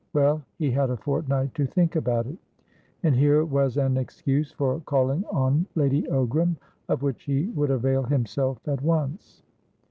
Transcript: Well, he had a fortnight to think about it. And here was an excuse for calling on Lady Ogram, of which he would avail himself at once.